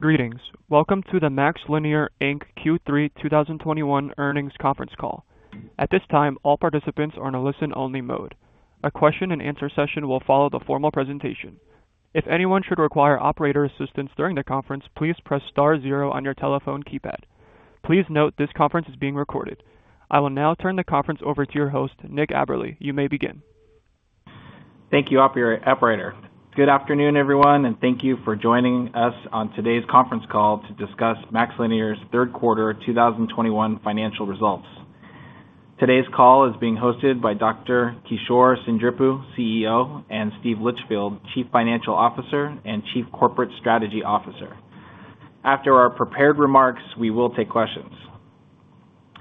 Greetings. Welcome to the MaxLinear, Inc. Q3 2021 earnings conference call. At this time, all participants are in a listen-only mode. A question-and-answer session will follow the formal presentation. If anyone should require operator assistance during the conference, please press star zero on your telephone keypad. Please note this conference is being recorded. I will now turn the conference over to your host, Nick Aberle. You may begin. Thank you, operator. Good afternoon, everyone, and thank you for joining us on today's conference call to discuss MaxLinear's third quarter 2021 financial results. Today's call is being hosted by Dr. Kishore Seendripu, CEO, and Steve Litchfield, Chief Financial Officer and Chief Corporate Strategy Officer. After our prepared remarks, we will take questions.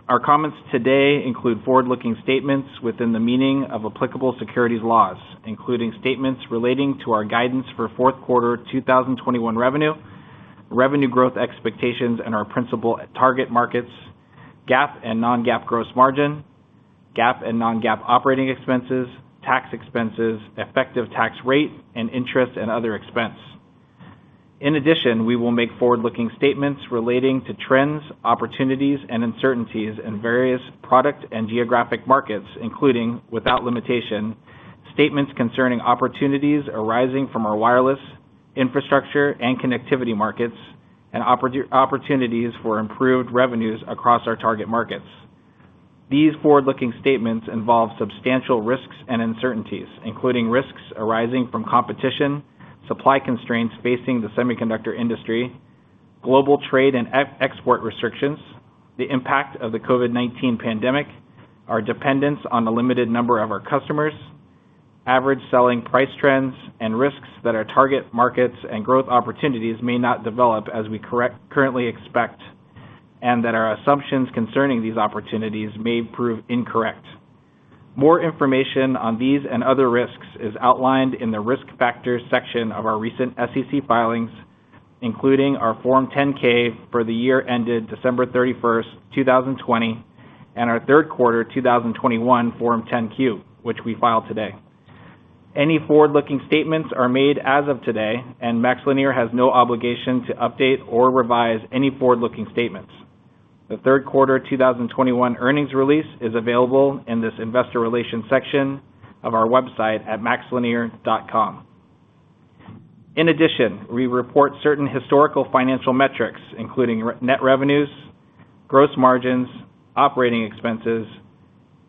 Our comments today include forward-looking statements within the meaning of applicable securities laws, including statements relating to our guidance for fourth quarter 2021 revenue growth expectations in our principal target markets, GAAP and non-GAAP gross margin, GAAP and non-GAAP operating expenses, tax expenses, effective tax rate, and interest and other expense. In addition, we will make forward-looking statements relating to trends, opportunities, and uncertainties in various product and geographic markets, including, without limitation, statements concerning opportunities arising from our wireless infrastructure and connectivity markets and opportunities for improved revenues across our target markets. These forward-looking statements involve substantial risks and uncertainties, including risks arising from competition, supply constraints facing the semiconductor industry, global trade and export restrictions, the impact of the COVID-19 pandemic, our dependence on the limited number of our customers, average selling price trends, and risks that our target markets and growth opportunities may not develop as we currently expect, and that our assumptions concerning these opportunities may prove incorrect. More information on these and other risks is outlined in the Risk Factors section of our recent SEC filings, including our Form 10-K for the year ended December 31, 2020, and our third quarter 2021 Form 10-Q, which we filed today. Any forward-looking statements are made as of today, and MaxLinear has no obligation to update or revise any forward-looking statements. The third quarter 2021 earnings release is available in this Investor Relations section of our website at maxlinear.com. In addition, we report certain historical financial metrics, including net revenues, gross margins, operating expenses,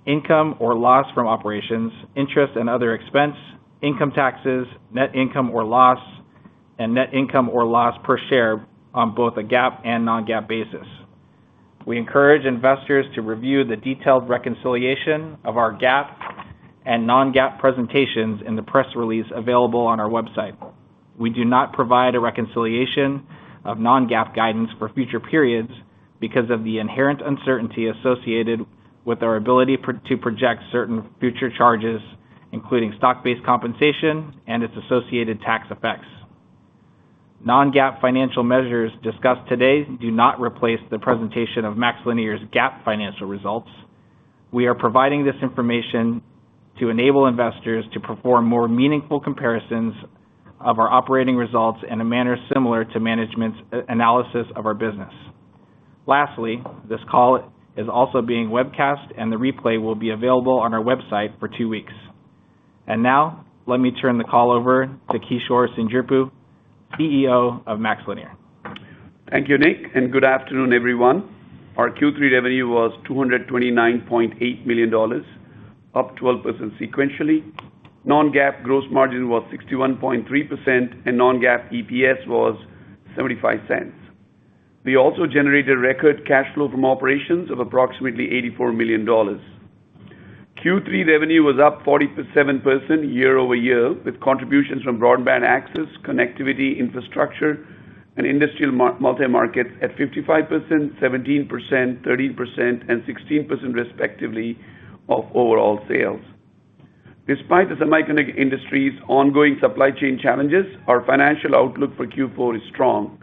income or loss from operations, interest and other expense, income taxes, net income or loss, and net income or loss per share on both a GAAP and non-GAAP basis. We encourage investors to review the detailed reconciliation of our GAAP and non-GAAP presentations in the press release available on our website. We do not provide a reconciliation of non-GAAP guidance for future periods because of the inherent uncertainty associated with our ability to project certain future charges, including stock-based compensation and its associated tax effects. Non-GAAP financial measures discussed today do not replace the presentation of MaxLinear's GAAP financial results. We are providing this information to enable investors to perform more meaningful comparisons of our operating results in a manner similar to management's analysis of our business. Lastly, this call is also being webcast, and the replay will be available on our website for two weeks. Now, let me turn the call over to Kishore Seendripu, CEO of MaxLinear. Thank you, Nick, and good afternoon, everyone. Our Q3 revenue was $229.8 million, up 12% sequentially. Non-GAAP gross margin was 61.3%, and non-GAAP EPS was $0.75. We also generated record cash flow from operations of approximately $84 million. Q3 revenue was up 47% year-over-year, with contributions from broadband access, connectivity, infrastructure, and industrial multimarket at 55%, 17%, 13%, and 16% respectively of overall sales. Despite the semiconductor industry's ongoing supply chain challenges, our financial outlook for Q4 is strong.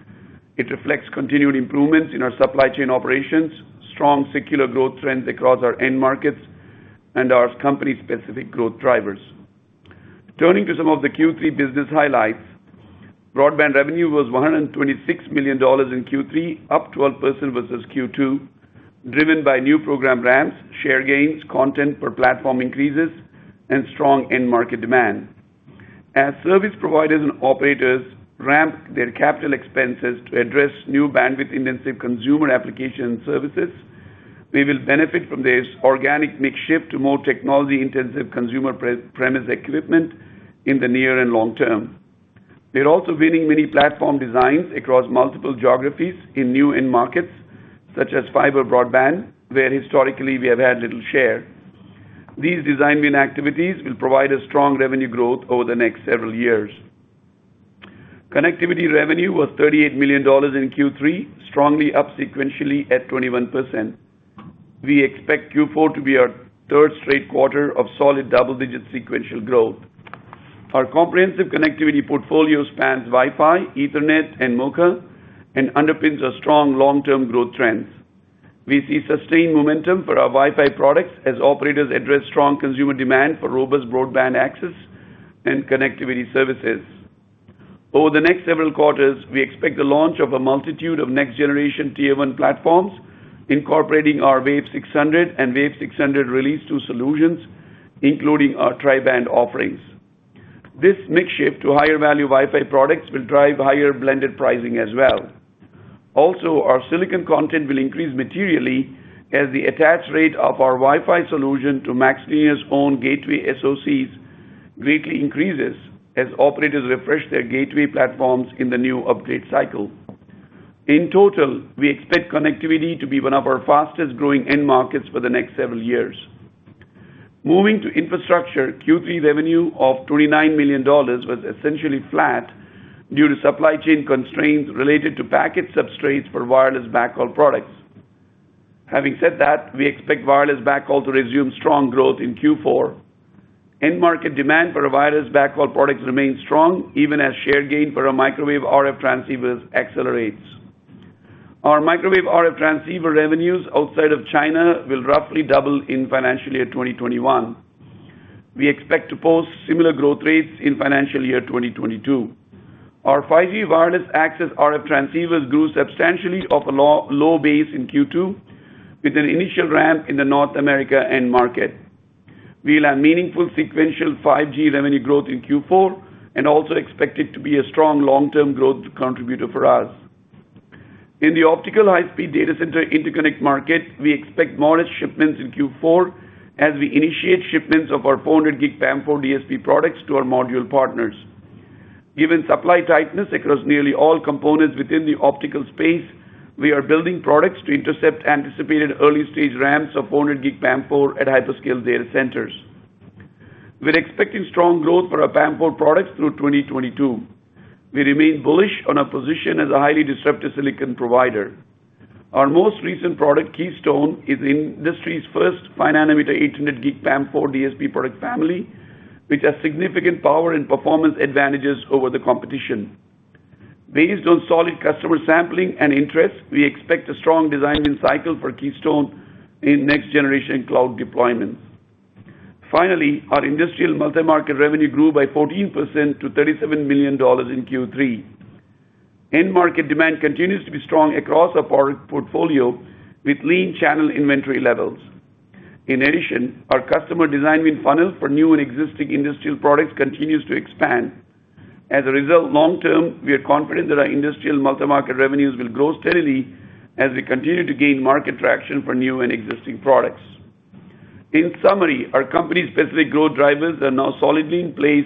It reflects continued improvements in our supply chain operations, strong secular growth trends across our end markets, and our company's specific growth drivers. Turning to some of the Q3 business highlights, broadband revenue was $126 million in Q3, up 12% versus Q2, driven by new program ramps, share gains, content per platform increases, and strong end market demand. As service providers and operators ramp their capital expenses to address new bandwidth-intensive consumer application services, we will benefit from this organic mix shift to more technology-intensive consumer-premise equipment in the near and long term. We're also winning many platform designs across multiple geographies in new end markets such as fiber broadband, where historically we have had little share. These design win activities will provide a strong revenue growth over the next several years. Connectivity revenue was $38 million in Q3, strongly up sequentially at 21%. We expect Q4 to be our third straight quarter of solid double-digit sequential growth. Our comprehensive connectivity portfolio spans Wi-Fi, Ethernet, and MoCA, and underpins our strong long-term growth trends. We see sustained momentum for our Wi-Fi products as operators address strong consumer demand for robust broadband access and connectivity services. Over the next several quarters, we expect the launch of a multitude of next-generation Tier-One platforms incorporating our WAV600 and WAV600 Release 2 solutions, including our tri-band offerings. This mix shift to higher-value Wi-Fi products will drive higher blended pricing as well. Also, our silicon content will increase materially as the attach rate of our Wi-Fi solution to MaxLinear's own gateway SoCs greatly increases as operators refresh their gateway platforms in the new upgrade cycle. In total, we expect connectivity to be one of our fastest-growing end markets for the next several years. Moving to infrastructure, Q3 revenue of $29 million was essentially flat due to supply chain constraints related to package substrates for wireless backhaul products. Having said that, we expect wireless backhaul to resume strong growth in Q4. End market demand for wireless backhaul products remains strong, even as share gain for our microwave RF transceivers accelerates. Our microwave RF transceiver revenues outside of China will roughly double in financial year 2021. We expect to post similar growth rates in financial year 2022. Our 5G wireless access RF transceivers grew substantially off a low base in Q2, with an initial ramp in the North America end market. We'll have meaningful sequential 5G revenue growth in Q4 and also expect it to be a strong long-term growth contributor for us. In the optical high-speed data center interconnect market, we expect modest shipments in Q4 as we initiate shipments of our 400G PAM-4 DSP products to our module partners. Given supply tightness across nearly all components within the optical space, we are building products to intercept anticipated early-stage ramps of 400G PAM-4 at hyperscale data centers. We're expecting strong growth for our PAM-4 products through 2022. We remain bullish on our position as a highly disruptive silicon provider. Our most recent product, Keystone, is the industry's first 5-nm 800G PAM-4 DSP product family, which has significant power and performance advantages over the competition. Based on solid customer sampling and interest, we expect a strong design-win cycle for Keystone in next-generation cloud deployments. Finally, our industrial multimarket revenue grew by 14% to $37 million in Q3. End market demand continues to be strong across our product portfolio with lean channel inventory levels. In addition, our customer design win funnels for new and existing industrial products continues to expand. As a result, long term, we are confident that our industrial multimarket revenues will grow steadily as we continue to gain market traction for new and existing products. In summary, our company's specific growth drivers are now solidly in place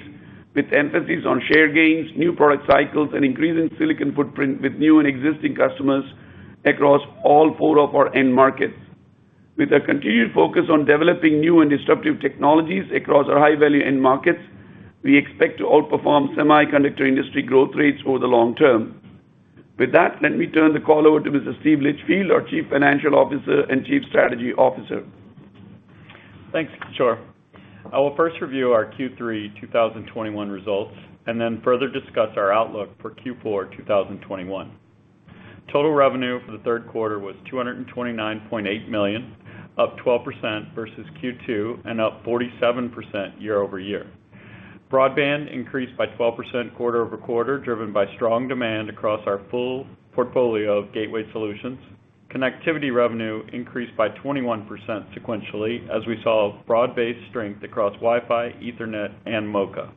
with emphasis on share gains, new product cycles, and increasing silicon footprint with new and existing customers across all four of our end markets. With a continued focus on developing new and disruptive technologies across our high-value end markets, we expect to outperform semiconductor industry growth rates over the long term. With that, let me turn the call over to Mr. Steve Litchfield, our Chief Financial Officer and Chief Strategy Officer. Thanks, Kishore. I will first review our Q3 2021 results and then further discuss our outlook for Q4 2021. Total revenue for the third quarter was $229.8 million, up 12% versus Q2 and up 47% year-over-year. Broadband increased by 12% quarter-over-quarter, driven by strong demand across our full portfolio of gateway solutions. Connectivity revenue increased by 21% sequentially as we saw broad-based strength across Wi-Fi, Ethernet, and MoCA.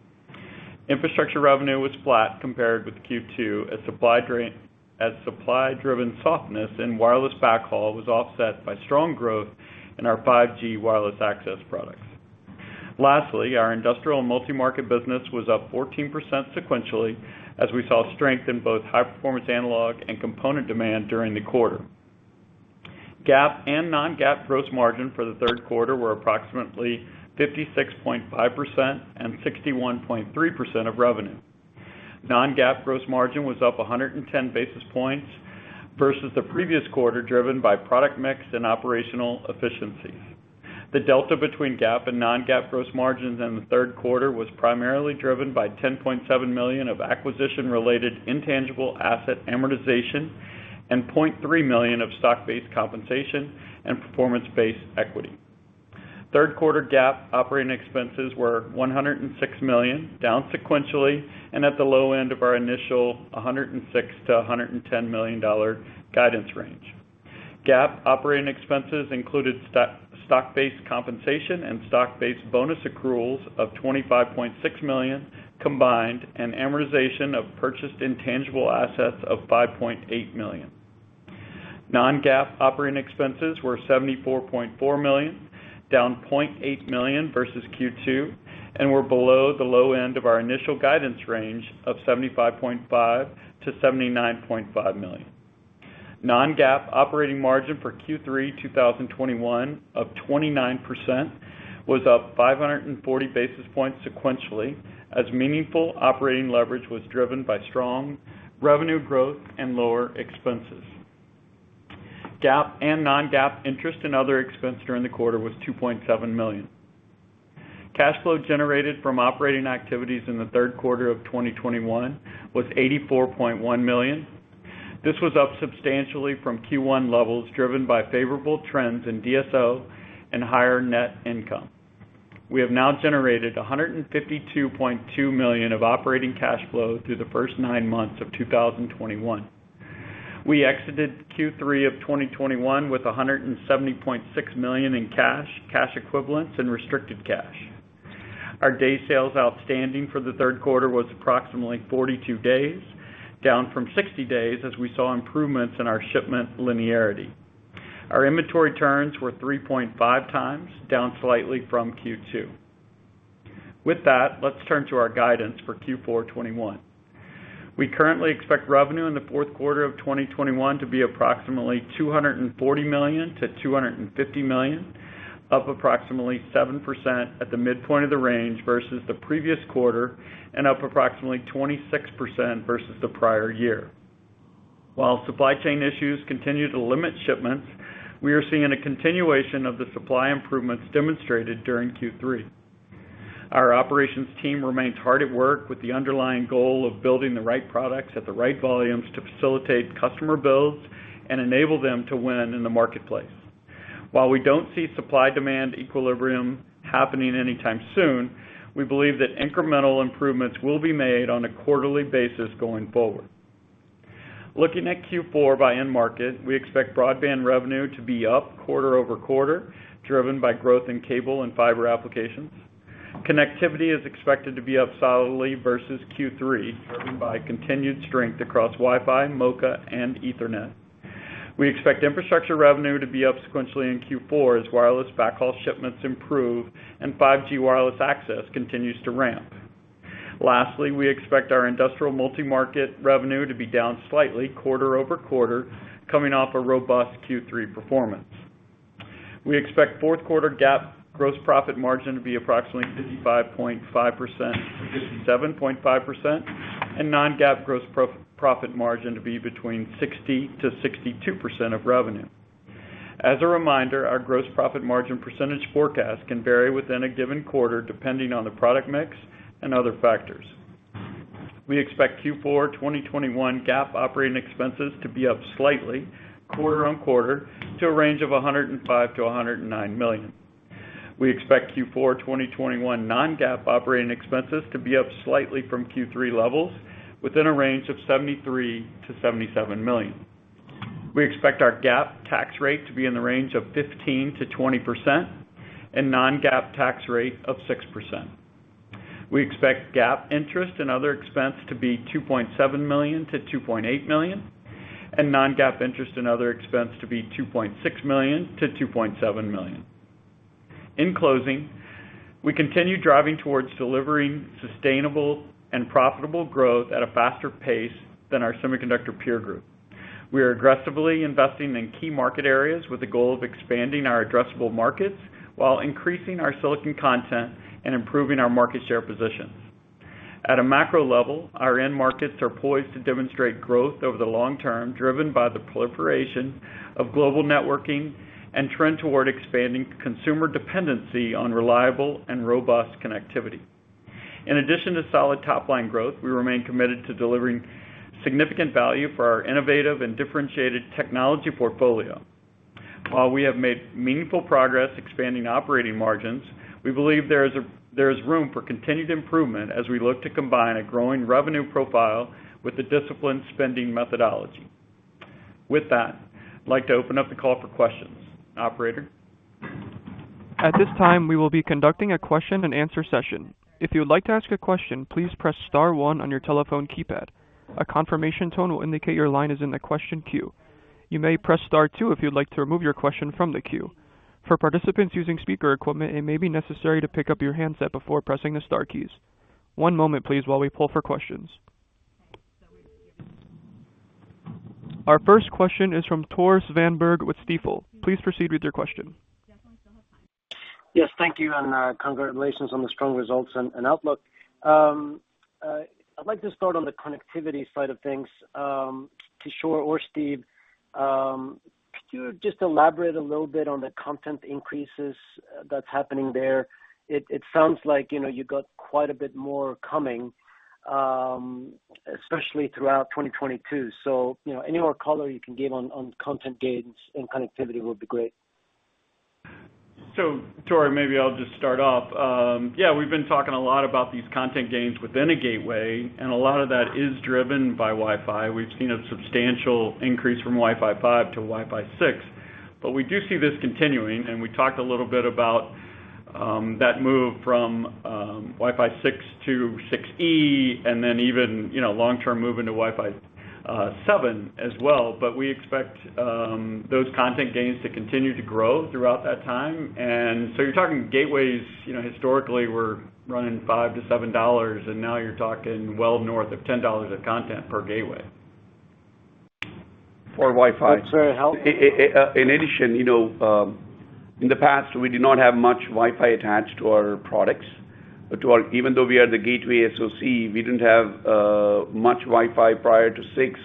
Infrastructure revenue was flat compared with Q2 as supply-driven softness in wireless backhaul was offset by strong growth in our 5G wireless access products. Lastly, our industrial multimarket business was up 14% sequentially as we saw strength in both high-performance analog and component demand during the quarter. GAAP and non-GAAP gross margin for the third quarter were approximately 56.5% and 61.3% of revenue. Non-GAAP gross margin was up 110 basis points versus the previous quarter, driven by product mix and operational efficiencies. The delta between GAAP and non-GAAP gross margins in the third quarter was primarily driven by $10.7 million of acquisition-related intangible asset amortization and $0.3 million of stock-based compensation and performance-based equity. Third quarter GAAP operating expenses were $106 million, down sequentially and at the low end of our initial $106-$110 million guidance range. GAAP operating expenses included stock-based compensation and stock-based bonus accruals of $25.6 million combined, and amortization of purchased intangible assets of $5.8 million. Non-GAAP operating expenses were $74.4 million, down $0.8 million versus Q2, and were below the low end of our initial guidance range of $75.5 million-$79.5 million. Non-GAAP operating margin for Q3 2021 of 29% was up 540 basis points sequentially as meaningful operating leverage was driven by strong revenue growth and lower expenses. GAAP and non-GAAP interest and other expense during the quarter was $2.7 million. Cash flow generated from operating activities in the third quarter of 2021 was $84.1 million. This was up substantially from Q1 levels, driven by favorable trends in DSO and higher net income. We have now generated $152.2 million of operating cash flow through the first nine months of 2021. We exited Q3 of 2021 with $170.6 million in cash, cash equivalents, and restricted cash. Our days sales outstanding for the third quarter was approximately 42 days, down from 60 days as we saw improvements in our shipment linearity. Our inventory turns were 3.5 times, down slightly from Q2. With that, let's turn to our guidance for Q4 2021. We currently expect revenue in the fourth quarter of 2021 to be approximately $240 million-$250 million, up approximately 7% at the midpoint of the range versus the previous quarter, and up approximately 26% versus the prior year. While supply chain issues continue to limit shipments, we are seeing a continuation of the supply improvements demonstrated during Q3. Our operations team remains hard at work with the underlying goal of building the right products at the right volumes to facilitate customer builds and enable them to win in the marketplace. While we don't see supply demand equilibrium happening anytime soon, we believe that incremental improvements will be made on a quarterly basis going forward. Looking at Q4 by end market, we expect broadband revenue to be up quarter-over-quarter, driven by growth in cable and fiber applications. Connectivity is expected to be up solidly versus Q3, driven by continued strength across Wi-Fi, MoCA, and Ethernet. We expect infrastructure revenue to be up sequentially in Q4 as wireless backhaul shipments improve and 5G wireless access continues to ramp. Lastly, we expect our industrial multimarket revenue to be down slightly quarter-over-quarter, coming off a robust Q3 performance. We expect fourth quarter GAAP gross profit margin to be approximately 55.5%-57.5% and non-GAAP gross profit margin to be between 60%-62% of revenue. As a reminder, our gross profit margin percentage forecast can vary within a given quarter, depending on the product mix and other factors. We expect Q4 2021 GAAP operating expenses to be up slightly, quarter-over-quarter, to a range of $105 million-$109 million. We expect Q4 2021 non-GAAP operating expenses to be up slightly from Q3 levels within a range of $73 million-$77 million. We expect our GAAP tax rate to be in the range of 15%-20% and non-GAAP tax rate of 6%. We expect GAAP interest and other expense to be $2.7 million-$2.8 million, and non-GAAP interest and other expense to be $2.6 million-$2.7 million. In closing, we continue driving towards delivering sustainable and profitable growth at a faster pace than our semiconductor peer group. We are aggressively investing in key market areas with the goal of expanding our addressable markets while increasing our silicon content and improving our market share positions. At a macro level, our end markets are poised to demonstrate growth over the long term, driven by the proliferation of global networking and trend toward expanding consumer dependency on reliable and robust connectivity. In addition to solid top-line growth, we remain committed to delivering significant value for our innovative and differentiated technology portfolio. While we have made meaningful progress expanding operating margins, we believe there is room for continued improvement as we look to combine a growing revenue profile with the disciplined spending methodology. With that, I'd like to open up the call for questions. Operator? At this time, we will be conducting a question and answer session. If you would like to ask a question, please press star one on your telephone keypad. A confirmation tone will indicate your line is in the question queue. You may press star two if you'd like to remove your question from the queue. For participants using speaker equipment, it may be necessary to pick up your handset before pressing the star keys. One moment, please, while we pull for questions. Our first question is from Tore Svanberg with Stifel. Please proceed with your question. Yes, thank you, and congratulations on the strong results and outlook. I'd like to start on the connectivity side of things. To Kishore or Steve, could you just elaborate a little bit on the content increases that's happening there? It sounds like, you know, you got quite a bit more coming, especially throughout 2022. You know, any more color you can give on content gains and connectivity would be great. Tore, maybe I'll just start off. Yeah, we've been talking a lot about these content gains within a gateway, and a lot of that is driven by Wi-Fi. We've seen a substantial increase from Wi-Fi 5 to Wi-Fi 6, but we do see this continuing, and we talked a little bit about that move from Wi-Fi 6 to Wi-Fi 6E and then even, you know, long-term move into Wi-Fi 7 as well. But we expect those content gains to continue to grow throughout that time. You're talking gateways, you know, historically were running $5-$7, and now you're talking well north of $10 of content per gateway. For Wi-Fi. That's very helpful. In addition, you know, in the past, we did not have much Wi-Fi attached to our products. Even though we are the gateway SoC, we didn't have much Wi-Fi prior to Wi-Fi 6,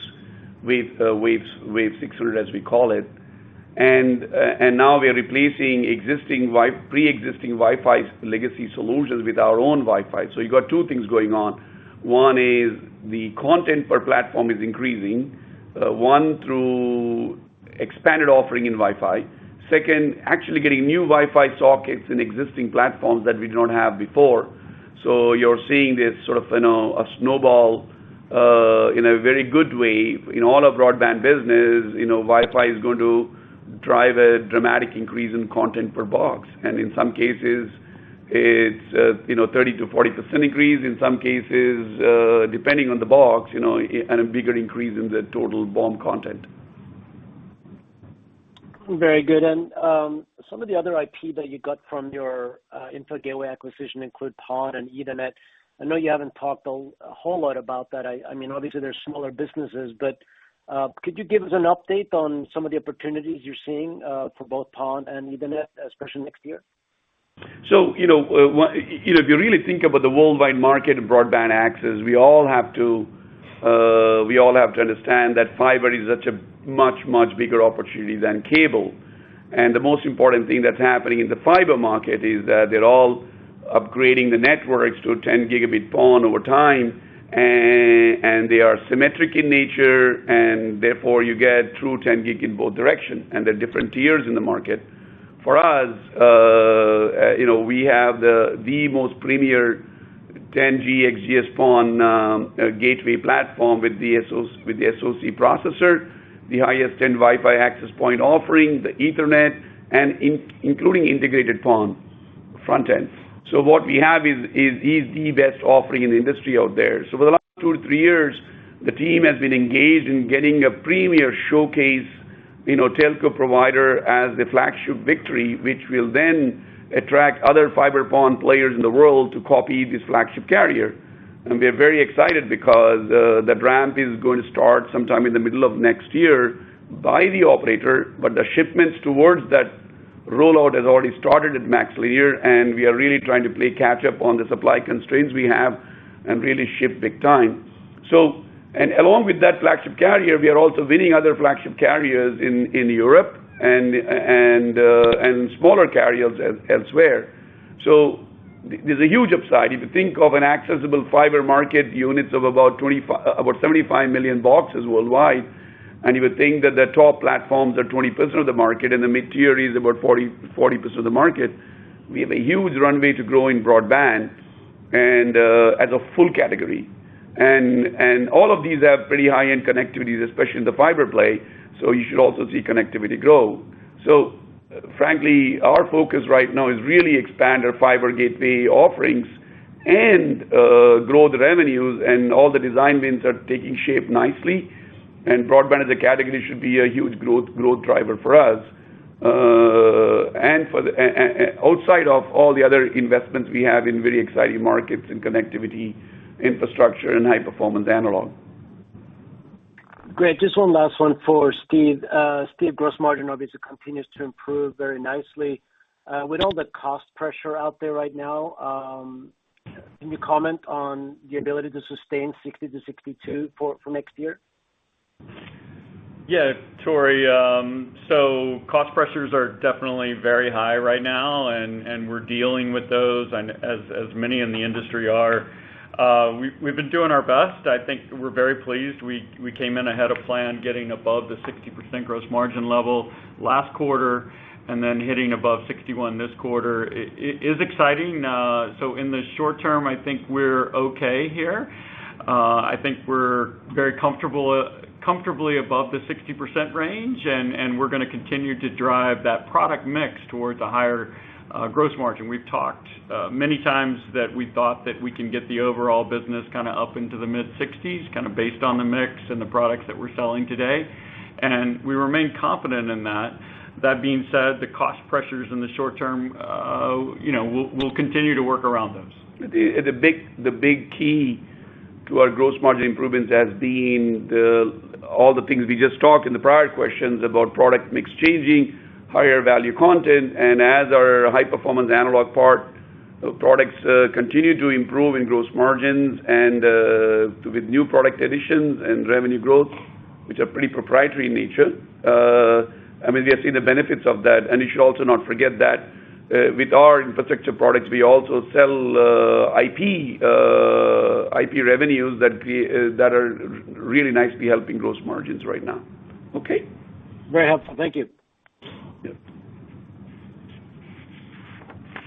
WAV600 as we call it. Now we are replacing existing pre-existing Wi-Fi legacy solutions with our own Wi-Fi. You've got two things going on. One is the content per platform is increasing, one through expanded offering in Wi-Fi. Second, actually getting new Wi-Fi sockets in existing platforms that we did not have before. You're seeing this sort of, you know, a snowball in a very good way. In all our broadband business, you know, Wi-Fi is going to drive a dramatic increase in content per box. In some cases, it's, you know, 30%-40% increase. In some cases, depending on the box, you know, and a bigger increase in the total BOM content. Very good. Some of the other IP that you got from your Intel gateway acquisition include PON and Ethernet. I know you haven't talked a whole lot about that. I mean, obviously they're smaller businesses, but could you give us an update on some of the opportunities you're seeing for both PON and Ethernet, especially next year? You know, if you really think about the worldwide market and broadband access, we all have to understand that fiber is such a much bigger opportunity than cable. The most important thing that's happening in the fiber market is that they're all upgrading the networks to a 10 Gb PON over time, and they are symmetric in nature, and therefore you get true 10 gig in both directions, and there are different tiers in the market. For us, you know, we have the most premier 10G XGS-PON gateway platform with the SoC processor, the highest-end Wi-Fi access point offering, the Ethernet, and including integrated PON front-end. What we have is the best offering in the industry out there. For the last two to three years, the team has been engaged in getting a premier showcase in a telco provider as the flagship victory, which will then attract other fiber PON players in the world to copy this flagship carrier. We are very excited because the ramp is going to start sometime in the middle of next year by the operator, but the shipments towards that rollout has already started at MaxLinear, and we are really trying to play catch up on the supply constraints we have and really ship big time. Along with that flagship carrier, we are also winning other flagship carriers in Europe and smaller carriers elsewhere. There's a huge upside. If you think of an accessible fiber market units of about 75 million boxes worldwide, and you would think that the top platforms are 20% of the market and the mid-tier is about 40% of the market, we have a huge runway to grow in broadband and as a full category. All of these have pretty high-end connectivities, especially in the fiber play, so you should also see connectivity grow. Frankly, our focus right now is really expand our fiber gateway offerings and grow the revenues, and all the design wins are taking shape nicely. Broadband as a category should be a huge growth driver for us. And outside of all the other investments we have in very exciting markets in connectivity, infrastructure, and high-performance analog. Great. Just one last one for Steve. Steve, gross margin obviously continues to improve very nicely. With all the cost pressure out there right now, can you comment on the ability to sustain 60%-62% for next year? Yeah, Tore. Cost pressures are definitely very high right now, and we're dealing with those and as many in the industry are. We've been doing our best. I think we're very pleased. We came in ahead of plan, getting above the 60% gross margin level last quarter and then hitting above 61% this quarter. It is exciting. In the short term, I think we're okay here. I think we're very comfortable, comfortably above the 60% range, and we're gonna continue to drive that product mix towards a higher gross margin. We've talked many times that we thought that we can get the overall business kinda up into the mid-60s%, kinda based on the mix and the products that we're selling today. We remain confident in that. That being said, the cost pressures in the short term, you know, we'll continue to work around those. The big key to our gross margin improvements has been all the things we just talked about in the prior questions about product mix changing, higher value content, and as our high-performance analog parts, products continue to improve in gross margins and with new product additions and revenue growth, which are pretty proprietary in nature, I mean, we are seeing the benefits of that. You should also not forget that with our infrastructure products, we also sell IP revenues that are really nicely helping gross margins right now. Okay. Very helpful. Thank you. Yeah.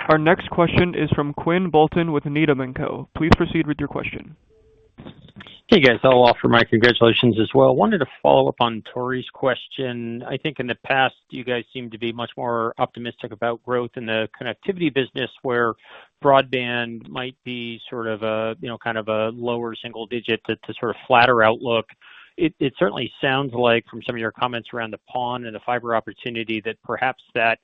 Our next question is from Quinn Bolton with Needham & Company. Please proceed with your question. Hey, guys. I'll offer my congratulations as well. Wanted to follow up on Tore's question. I think in the past, you guys seemed to be much more optimistic about growth in the connectivity business, where broadband might be sort of a, you know, kind of a lower single digit to sort of flatter outlook. It certainly sounds like from some of your comments around the PON and the fiber opportunity that perhaps that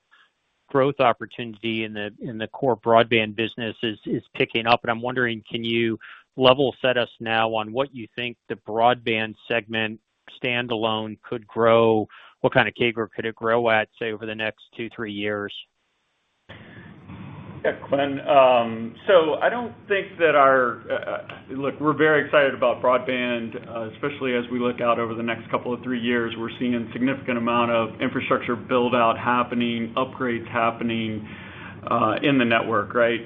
growth opportunity in the core broadband business is picking up. I'm wondering, can you level set us now on what you think the broadband segment standalone could grow? What kind of CAGR could it grow at, say, over the next two, three years? Yeah, Quinn. Look, we're very excited about broadband, especially as we look out over the next couple of three years. We're seeing a significant amount of infrastructure build-out happening, upgrades happening in the network, right?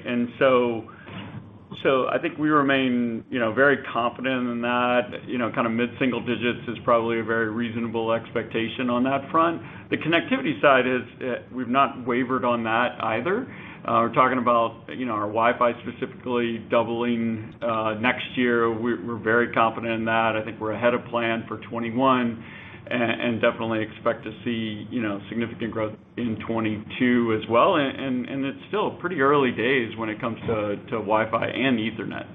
I think we remain, you know, very confident in that. You know, kind of mid-single digits is probably a very reasonable expectation on that front. The connectivity side is, we've not wavered on that either. We're talking about, you know, our Wi-Fi specifically doubling next year. We're very confident in that. I think we're ahead of plan for 2021 and definitely expect to see, you know, significant growth in 2022 as well. It's still pretty early days when it comes to Wi-Fi and Ethernet.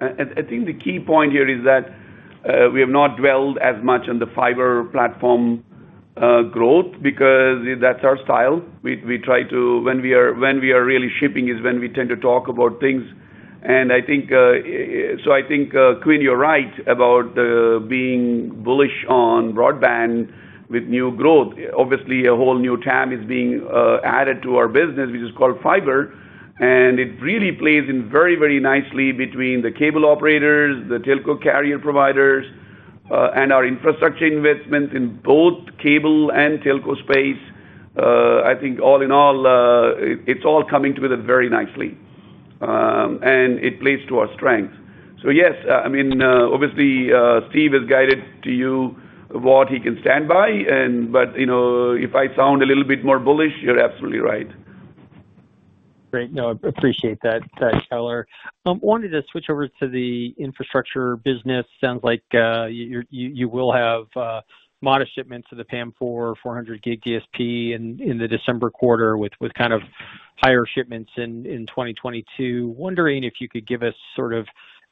I think the key point here is that we have not dwelled as much on the fiber platform growth because that's our style. When we are really shipping is when we tend to talk about things. I think Quinn, you're right about being bullish on broadband with new growth. Obviously, a whole new tab is being added to our business, which is called fiber, and it really plays in very, very nicely between the cable operators, the telco carrier providers, and our infrastructure investments in both cable and telco space. I think all in all, it's all coming together very nicely. It plays to our strength. Yes, I mean, obviously, Steve has guided to you what he can stand by, but, you know, if I sound a little bit more bullish, you're absolutely right. I appreciate that, color. Wanted to switch over to the infrastructure business. Sounds like you will have modest shipments of the PAM-4/400G DSP in the December quarter with kind of higher shipments in 2022. Wondering if you could give us sort of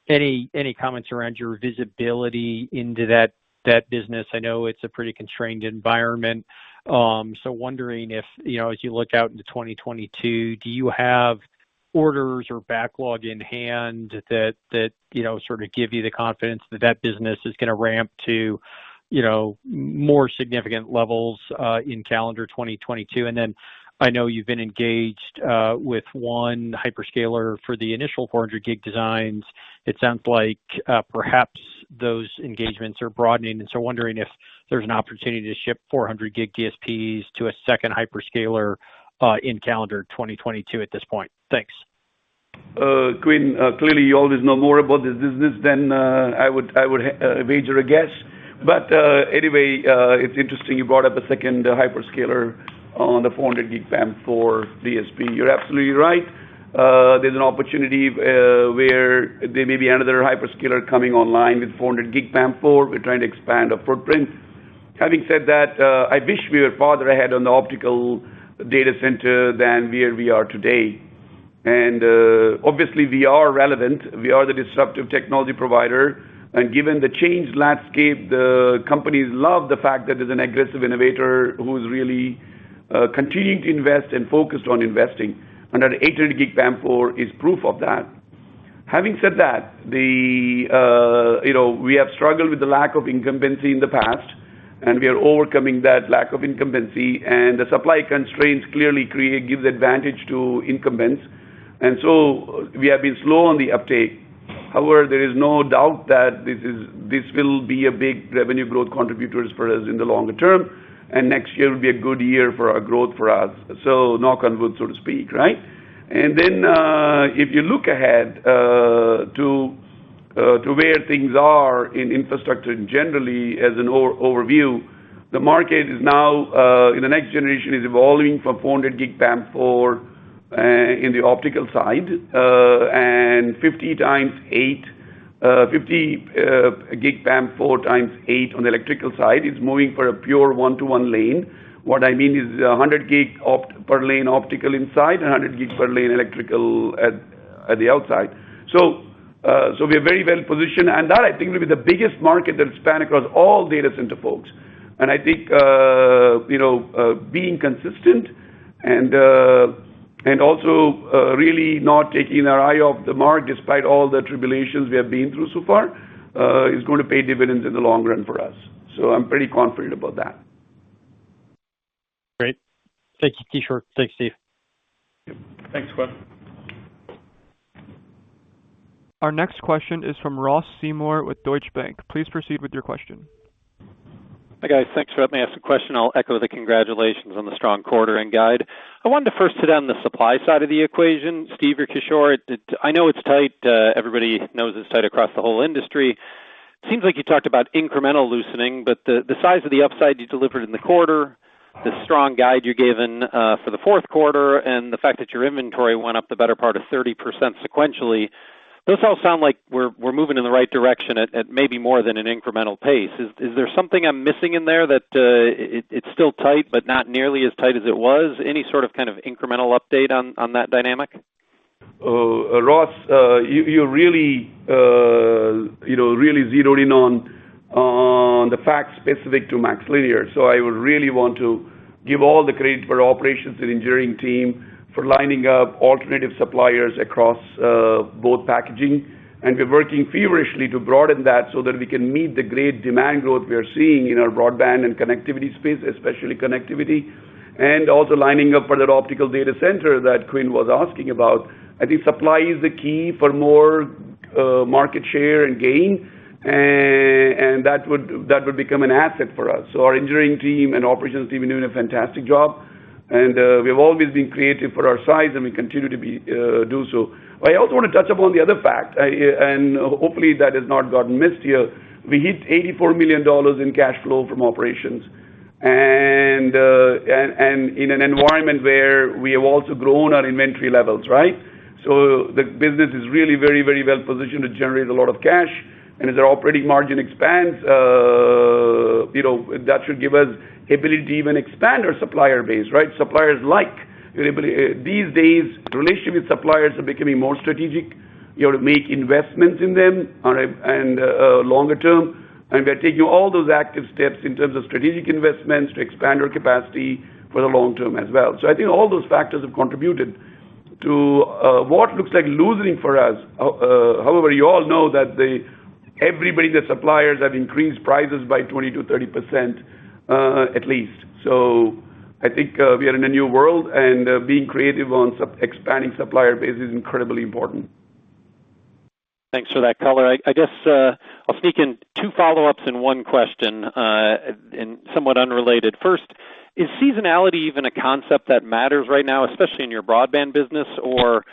any comments around your visibility into that business. I know it's a pretty constrained environment, so wondering if you know as you look out into 2022, do you have orders or backlog in hand that you know sort of give you the confidence that that business is gonna ramp to you know more significant levels in calendar 2022? I know you've been engaged with one hyperscaler for the initial 400G designs. It sounds like perhaps those engagements are broadening. Wondering if there's an opportunity to ship 400G DSPs to a second hyperscaler in calendar 2022 at this point? Thanks. Quinn, clearly you always know more about this business than I would wager a guess. It's interesting you brought up a second hyperscaler on the 400G PAM-4 DSP. You're absolutely right. There's an opportunity where there may be another hyperscaler coming online with 400G PAM-4. We're trying to expand our footprint. Having said that, I wish we were farther ahead on the optical data center than where we are today. Obviously, we are relevant. We are the disruptive technology provider. Given the changed landscape, the companies love the fact that there's an aggressive innovator who's really continuing to invest and focused on investing. Our 800G PAM-4 is proof of that. Having said that, we have struggled with the lack of incumbency in the past, and we are overcoming that lack of incumbency. The supply constraints clearly give the advantage to incumbents. We have been slow on the uptake. However, there is no doubt that this will be a big revenue growth contributor as far as in the longer term, and next year will be a good year for our growth for us. Knock on wood, so to speak, right? If you look ahead to where things are in infrastructure generally as an overview, the market is now in the next generation is evolving from 400G PAM-4 in the optical side and 50 times 8 gig PAM-4 times 8 on the electrical side is moving to a pure one-to-one lane. What I mean is 100-gig per lane optical inside and 100-gig per lane electrical at the outside. We're very well positioned. That I think will be the biggest market that spans across all data center folks. I think, you know, being consistent and also really not taking our eye off the mark, despite all the tribulations we have been through so far, is gonna pay dividends in the long run for us. I'm pretty confident about that. Great. Thank you, Kishore. Thanks, Steve. Yep. Thanks, Quinn. Our next question is from Ross Seymore with Deutsche Bank. Please proceed with your question. Hi, guys. Thanks for letting me ask a question. I'll echo the congratulations on the strong quarter and guide. I wanted to first hit on the supply side of the equation. Steve or Kishore, I know it's tight. Everybody knows it's tight across the whole industry. Seems like you talked about incremental loosening, but the size of the upside you delivered in the quarter, the strong guide you gave for the fourth quarter, and the fact that your inventory went up the better part of 30% sequentially, those all sound like we're moving in the right direction at maybe more than an incremental pace. Is there something I'm missing in there that it's still tight but not nearly as tight as it was? Any sort of kind of incremental update on that dynamic? Ross, you're really, you know, really zeroed in on the facts specific to MaxLinear. I would really want to give all the credit to our operations and engineering team for lining up alternative suppliers across both packaging. We're working feverishly to broaden that so that we can meet the great demand growth we are seeing in our broadband and connectivity space, especially connectivity, and also lining up for that optical data center that Quinn was asking about. I think supply is the key for more market share and gain. That would become an asset for us. Our engineering team and operations team are doing a fantastic job. We have always been creative for our size, and we continue to do so. I also wanna touch upon the other fact, and hopefully that has not gotten missed here. We hit $84 million in cash flow from operations, and in an environment where we have also grown our inventory levels, right? The business is really very well positioned to generate a lot of cash. As our operating margin expands, you know, that should give us ability to even expand our supplier base, right? Suppliers like the ability. These days, relationships with suppliers are becoming more strategic. You have to make investments in them longer term. We're taking all those active steps in terms of strategic investments to expand our capacity for the long term as well. I think all those factors have contributed to what looks like losing for us. However, you all know that everybody, the suppliers have increased prices by 20%-30%, at least. I think we are in a new world, and being creative on expanding supplier base is incredibly important. Thanks for that color. I guess I'll sneak in two follow-ups and one question, and somewhat unrelated. First, is seasonality even a concept that matters right now, especially in your broadband business? Or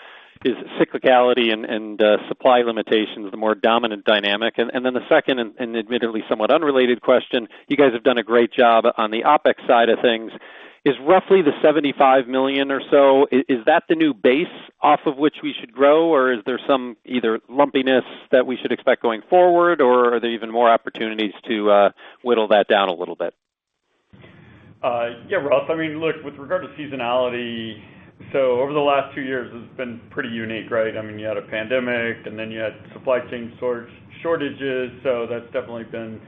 is cyclicality and supply limitations the more dominant dynamic? Then the second, and admittedly somewhat unrelated question, you guys have done a great job on the OpEx side of things. Is roughly the $75 million or so, is that the new base off of which we should grow? Or is there some either lumpiness that we should expect going forward, or are there even more opportunities to whittle that down a little bit? Yeah, Ross. I mean, look, with regard to seasonality, over the last two years, it's been pretty unique, right? I mean, you had a pandemic, and then you had supply chain shortages, so that's definitely been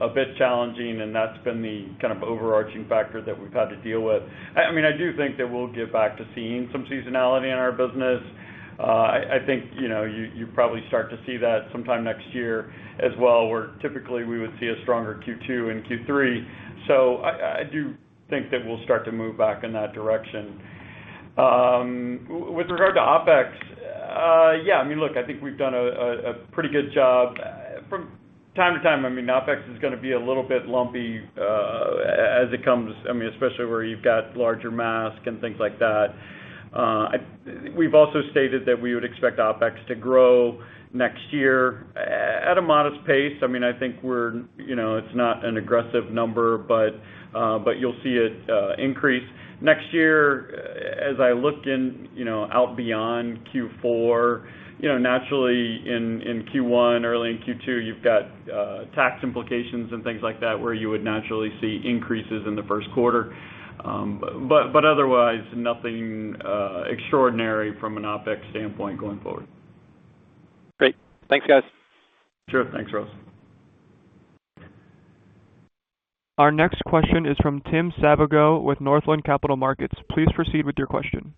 a bit challenging, and that's been the kind of overarching factor that we've had to deal with. I mean, I do think that we'll get back to seeing some seasonality in our business. I think, you know, you probably start to see that sometime next year as well, where typically we would see a stronger Q2 and Q3. I do think that we'll start to move back in that direction. With regard to OpEx, yeah. I mean, look, I think we've done a pretty good job. From time to time, OpEx is gonna be a little bit lumpy as it comes. Especially where you've got larger mask and things like that. We've also stated that we would expect OpEx to grow next year at a modest pace. I think it's not an aggressive number, but you'll see it increase. Next year, as I look out beyond Q4, naturally in Q1, early in Q2, you've got tax implications and things like that, where you would naturally see increases in the first quarter. Otherwise, nothing extraordinary from an OpEx standpoint going forward. Great. Thanks, guys. Sure. Thanks, Ross. Our next question is from Tim Savageaux with Northland Capital Markets. Please proceed with your question.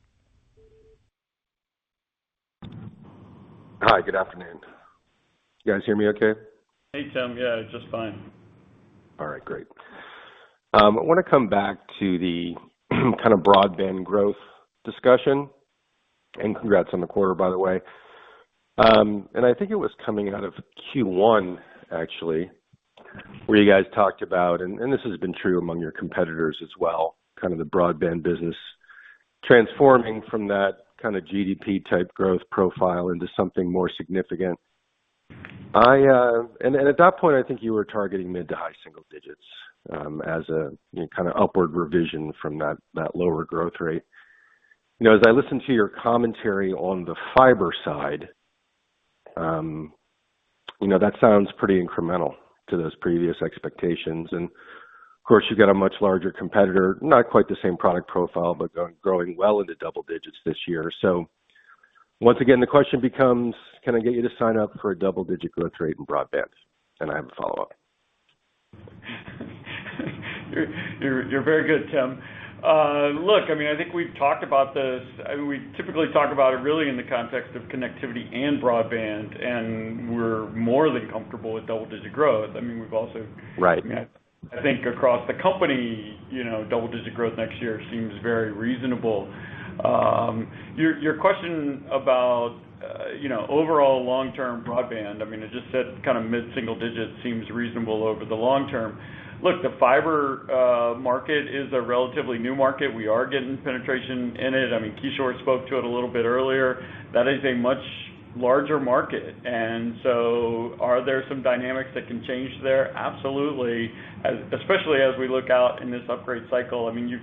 Hi, good afternoon. You guys hear me okay? Hey, Tim. Yeah, just fine. All right, great. I wanna come back to the kind of broadband growth discussion. Congrats on the quarter, by the way. I think it was coming out of Q1 actually, where you guys talked about, and this has been true among your competitors as well, kind of the broadband business transforming from that kind of GDP-type growth profile into something more significant. At that point, I think you were targeting mid- to high-single digits%, as a you know, kind of upward revision from that lower growth rate. You know, as I listen to your commentary on the fiber side, you know, that sounds pretty incremental to those previous expectations. Of course, you've got a much larger competitor, not quite the same product profile, but growing well into double digits% this year. Once again, the question becomes, can I get you to sign up for a double-digit growth rate in broadband? I have a follow-up. You're very good, Tim. Look, I mean, I think we've talked about this. I mean, we typically talk about it really in the context of connectivity and broadband, and we're more than comfortable with double-digit growth. I mean, we've also- Right. I mean, I think across the company, you know, double-digit growth next year seems very reasonable. Your question about, you know, overall long-term broadband, I mean, it just says kind of mid-single digits seems reasonable over the long term. Look, the fiber market is a relatively new market. We are getting penetration in it. I mean, Kishore spoke to it a little bit earlier. That is a much larger market. Are there some dynamics that can change there? Absolutely. Especially as we look out in this upgrade cycle, I mean, you've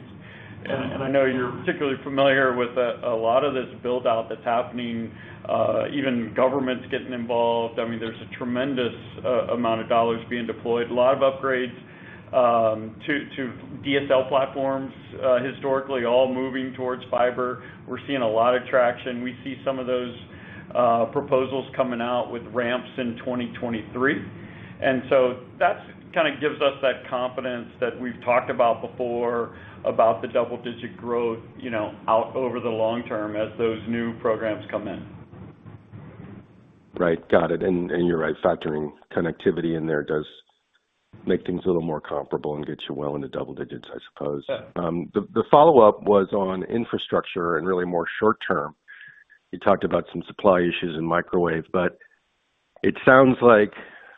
and I know you're particularly familiar with a lot of this build-out that's happening, even governments getting involved. I mean, there's a tremendous amount of dollars being deployed, a lot of upgrades to DSL platforms, historically all moving towards fiber. We're seeing a lot of traction. We see some of those proposals coming out with ramps in 2023. That's kinda gives us that confidence that we've talked about before about the double-digit growth, you know, out over the long term as those new programs come in. Right. Got it. You're right, factoring connectivity in there does Make things a little more comparable and get you well into double digits, I suppose. Yeah. The follow-up was on infrastructure and really more short-term. You talked about some supply issues in microwave, but it sounds like,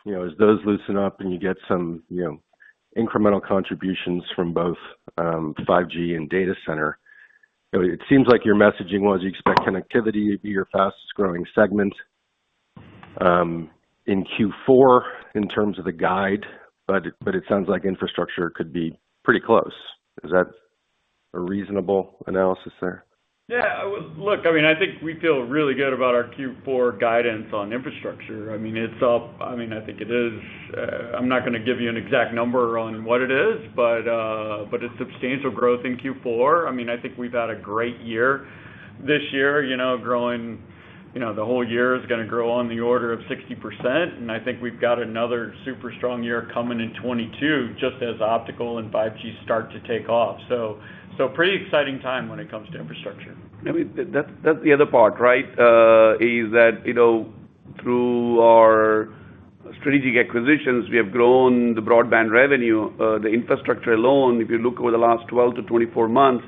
you know, as those loosen up and you get some, you know, incremental contributions from both, 5G and data center, it seems like your messaging was you expect connectivity to be your fastest-growing segment in Q4 in terms of the guide, but it sounds like infrastructure could be pretty close. Is that a reasonable analysis there? Yeah. Well, look, I mean, I think we feel really good about our Q4 guidance on infrastructure. I mean, it's up. I mean, I think it is. I'm not gonna give you an exact number on what it is, but it's substantial growth in Q4. I mean, I think we've had a great year this year, you know, growing, you know, the whole year is gonna grow on the order of 60%, and I think we've got another super strong year coming in 2022, just as optical and 5G start to take off. So pretty exciting time when it comes to infrastructure. I mean, that's the other part, right? Is that, you know, through our strategic acquisitions, we have grown the broadband revenue. The infrastructure alone, if you look over the last 12-24 months,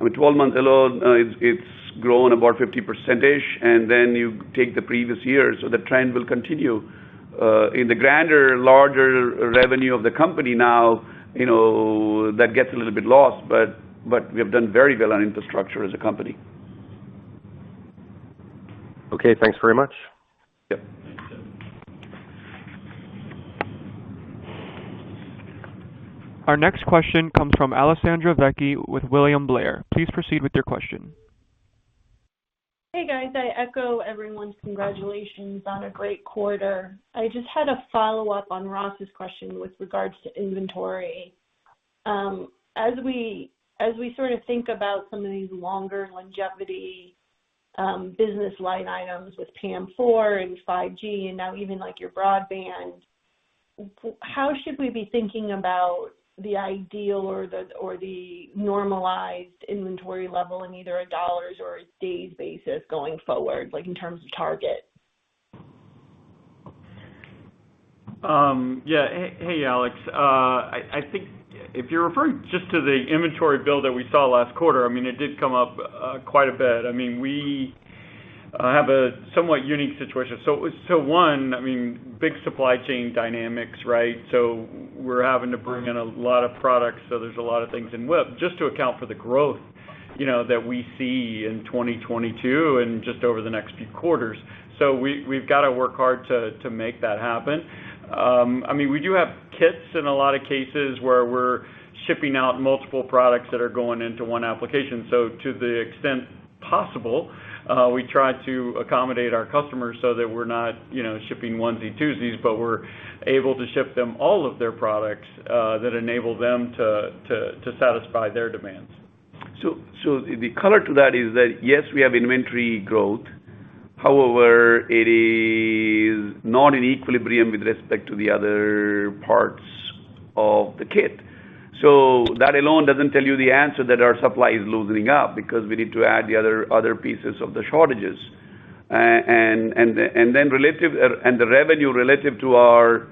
I mean, 12 months alone, it's grown about 50%-ish, and then you take the previous years, so the trend will continue. In the grander, larger revenue of the company now, you know, that gets a little bit lost, but we have done very well on infrastructure as a company. Okay. Thanks very much. Yep. Thanks. Our next question comes from Alessandra Vecchi with William Blair. Please proceed with your question. Hey, guys. I echo everyone's congratulations on a great quarter. I just had a follow-up on Ross's question with regards to inventory. As we sort of think about some of these longer longevity business line items with PAM-4 and 5G and now even like your broadband PHY, how should we be thinking about the ideal or the normalized inventory level in either a dollars or days basis going forward, like in terms of target? Yeah. Hey, Alex. I think if you're referring just to the inventory build that we saw last quarter, I mean, it did come up quite a bit. I mean, we have a somewhat unique situation. One, I mean, big supply chain dynamics, right? We're having to bring in a lot of products, so there's a lot of things in WIP just to account for the growth, you know, that we see in 2022 and just over the next few quarters. We've gotta work hard to make that happen. I mean, we do have kits in a lot of cases where we're shipping out multiple products that are going into one application. To the extent possible, we try to accommodate our customers so that we're not, you know, shipping onesie-twosies, but we're able to ship them all of their products that enable them to satisfy their demands. The color to that is that, yes, we have inventory growth. However, it is not in equilibrium with respect to the other parts of the kit. That alone doesn't tell you the answer that our supply is loosening up because we need to add the other pieces of the shortages. And the revenue relative to our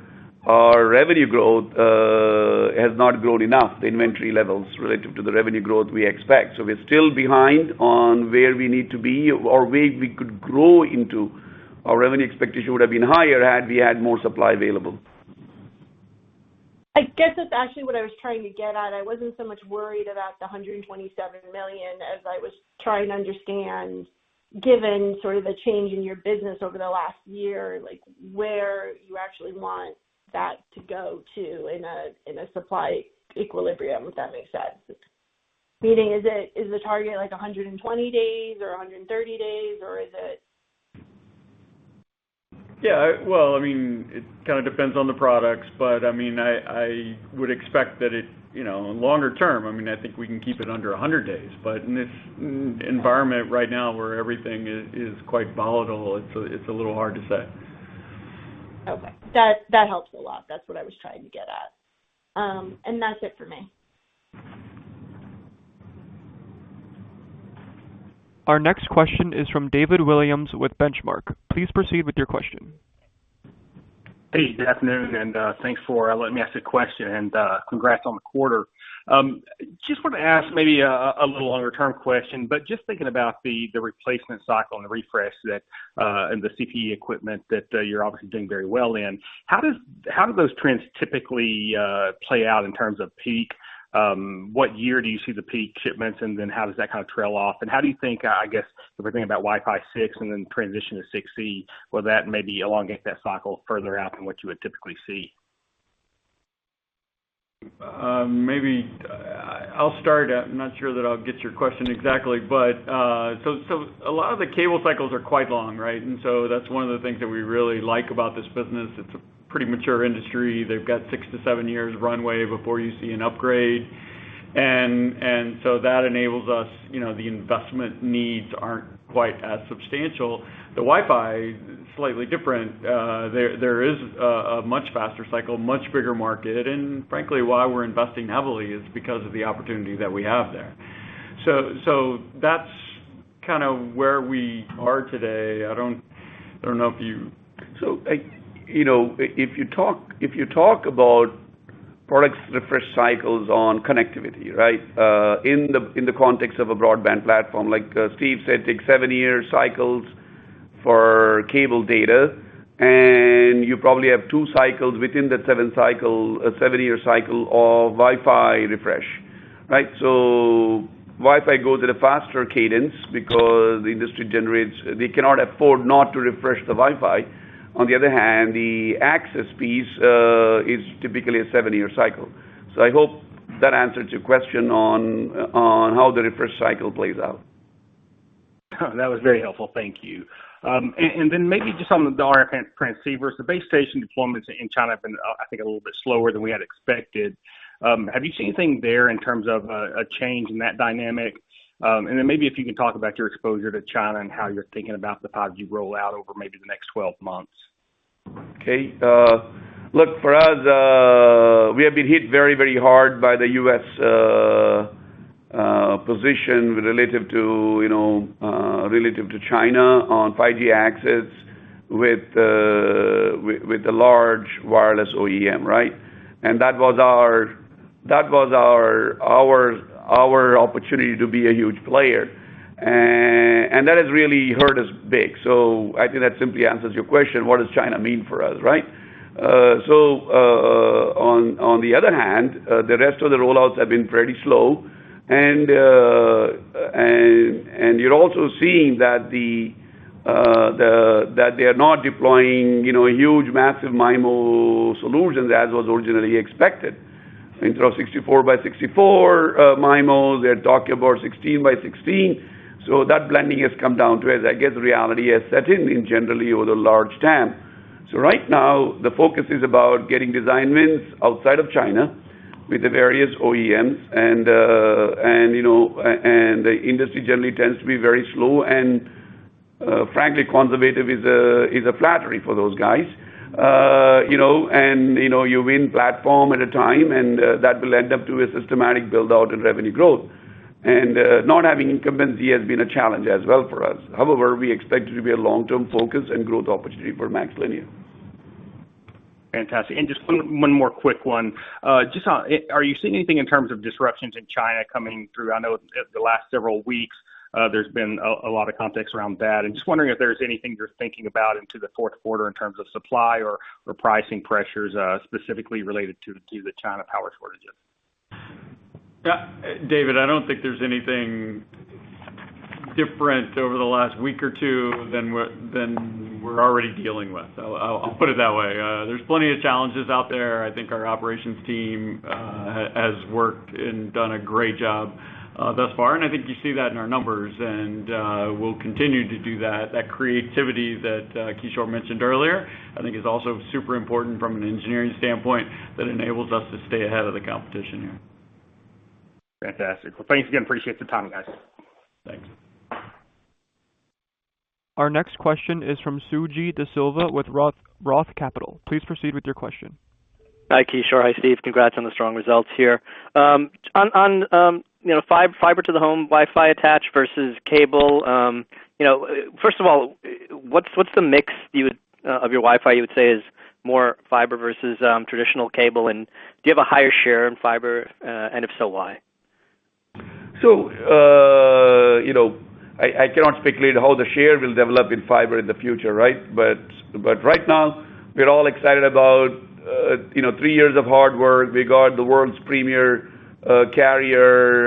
revenue growth has not grown enough, the inventory levels relative to the revenue growth we expect. We're still behind on where we need to be or where we could grow into. Our revenue expectation would have been higher had we had more supply available. I guess that's actually what I was trying to get at. I wasn't so much worried about the $127 million as I was trying to understand, given sort of the change in your business over the last year, like where you actually want that to go to in a supply equilibrium, if that makes sense. Meaning, is the target like 120 days or 130 days, or is it... Yeah. Well, I mean, it kinda depends on the products, but I mean, I would expect that it, you know, longer term, I mean, I think we can keep it under 100 days. But in this environment right now where everything is quite volatile, it's a little hard to say. Okay. That helps a lot. That's what I was trying to get at. That's it for me. Our next question is from David Williams with Benchmark. Please proceed with your question. Hey, good afternoon, and thanks for letting me ask a question. Congrats on the quarter. Just wanna ask maybe a little longer-term question. Just thinking about the replacement cycle and the refresh and the CPE equipment that you're obviously doing very well in, how do those trends typically play out in terms of peak? What year do you see the peak shipments, and then how does that kind of trail off? How do you think, I guess if we're thinking about Wi-Fi 6 and then transition to Wi-Fi 6E, will that maybe elongate that cycle further out than what you would typically see? Maybe I'll start. I'm not sure that I'll get your question exactly. A lot of the cable cycles are quite long, right? That's one of the things that we really like about this business. It's a pretty mature industry. They've got six to seven years runway before you see an upgrade. That enables us, you know, the investment needs aren't quite as substantial. The Wi-Fi is slightly different. There is a much faster cycle, much bigger market, and frankly, why we're investing heavily is because of the opportunity that we have there. That's Kind of where we are today, I don't know if you. You know, if you talk about products refresh cycles on connectivity, right? In the context of a broadband platform, like Steve said, take seven-year cycles for cable data, and you probably have two cycles within that seven-year cycle of Wi-Fi refresh, right? Wi-Fi goes at a faster cadence because the industry they cannot afford not to refresh the Wi-Fi. On the other hand, the access piece is typically a seven-year cycle. I hope that answers your question on how the refresh cycle plays out. That was very helpful. Thank you. Maybe just on the RF transceivers. The base station deployments in China have been, I think a little bit slower than we had expected. Have you seen anything there in terms of a change in that dynamic? Maybe if you could talk about your exposure to China and how you're thinking about the 5G rollout over maybe the next 12 months. Okay. Look, for us, we have been hit very, very hard by the U.S. position relative to, you know, relative to China on 5G access with the large wireless OEM, right? That was our opportunity to be a huge player. That has really hurt us big. I think that simply answers your question, what does China mean for us, right? On the other hand, the rest of the rollouts have been pretty slow. You're also seeing that they are not deploying, you know, huge massive MIMO solutions as was originally expected. In terms of 64 by 64 MIMO, they're talking about 16 by 16. That blending has come down to, as I guess, reality has set in in general with a large TAM. Right now, the focus is about getting design wins outside of China with the various OEMs and, you know, the industry generally tends to be very slow and, frankly, conservative is a flattery for those guys. You know, you win one platform at a time, and that will add up to a systematic build-out in revenue growth. Not having incumbency has been a challenge as well for us. However, we expect it to be a long-term focus and growth opportunity for MaxLinear. Fantastic. Just one more quick one. Are you seeing anything in terms of disruptions in China coming through? I know the last several weeks, there's been a lot of context around that. I'm just wondering if there's anything you're thinking about into the fourth quarter in terms of supply or pricing pressures, specifically related to the China power shortages. Yeah. David, I don't think there's anything different over the last week or two than we're already dealing with. I'll put it that way. There's plenty of challenges out there. I think our operations team has worked and done a great job thus far, and I think you see that in our numbers, and we'll continue to do that. That creativity that Kishore mentioned earlier, I think is also super important from an engineering standpoint that enables us to stay ahead of the competition here. Fantastic. Well, thanks again. Appreciate the time, guys. Thanks. Our next question is from Suji Desilva with ROTH Capital. Please proceed with your question. Hi, Kishore. Hi, Steve. Congrats on the strong results here. You know, fiber to the home Wi-Fi attached versus cable, you know, first of all, what's the mix of your Wi-Fi you would say is more fiber versus traditional cable? And do you have a higher share in fiber? And if so, why? I cannot speculate how the share will develop in fiber in the future, right? Right now, we're all excited about three years of hard work. We got the world's premier carrier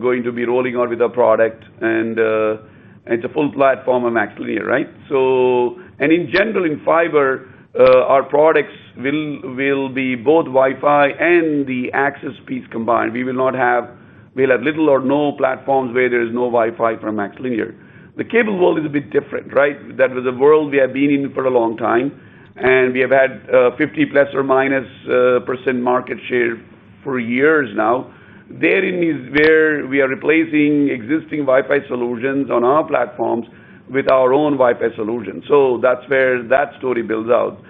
going to be rolling out with a product and it's a full platform of MaxLinear, right? In general, in fiber, our products will be both Wi-Fi and the access piece combined. We'll have little or no platforms where there is no Wi-Fi from MaxLinear. The cable world is a bit different, right? That was a world we have been in for a long time, and we have had 50 ±% market share for years now. Therein is where we are replacing existing Wi-Fi solutions on our platforms with our own Wi-Fi solution. That's where that story builds out.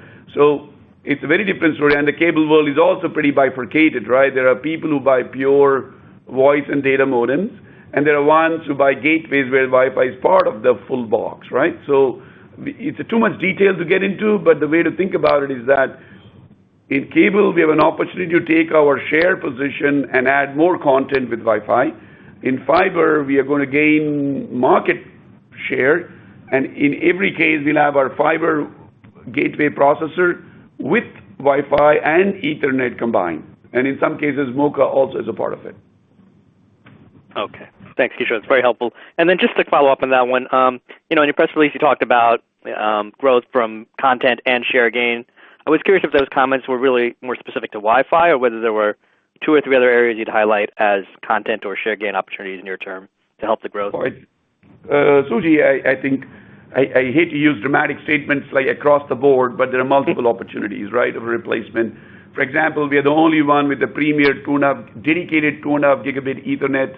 It's a very different story, and the cable world is also pretty bifurcated, right? There are people who buy pure voice and data modems, and there are ones who buy gateways where Wi-Fi is part of the full box, right? It's too much detail to get into, but the way to think about it is that in cable, we have an opportunity to take our share position and add more content with Wi-Fi. In fiber, we are gonna gain market share, and in every case, we'll have our fiber gateway processor with Wi-Fi and Ethernet combined. In some cases, MoCA also is a part of it. Okay. Thanks, Kishore. It's very helpful. Just to follow up on that one, you know, in your press release, you talked about growth from content and share gains. I was curious if those comments were really more specific to Wi-Fi or whether there were two or three other areas you'd highlight as content or share gain opportunities near term to help the growth. Suji, I think I hate to use dramatic statements like across the board, but there are multiple opportunities of replacement, right? For example, we are the only one with a dedicated 2.5 Gb Ethernet